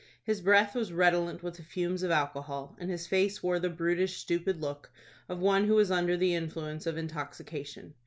His breath was redolent with the fumes of alcohol, and his face wore the brutish, stupid look of one who was under the influence of intoxication.